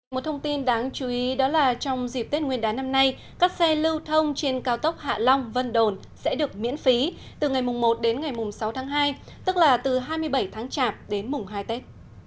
một thông tin đáng chú ý đó là trong dịp tết nguyên đán năm nay các xe lưu thông trên cao tốc hạ long vân đồn sẽ được miễn phí từ ngày mùng một đến ngày mùng sáu tháng hai tức là từ hai mươi bảy tháng chạp đến mùng hai tết